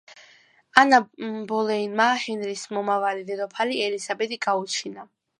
ანა ბოლეინმა ჰენრის მომავალი დედოფალი ელისაბედი გაუჩინა.